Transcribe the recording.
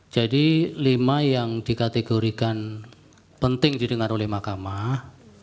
jadi lima yang dikategorikan penting didengar oleh makamah